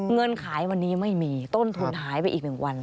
เงินขายวันนี้ไม่มีต้นทุนหายไปอีก๑วัน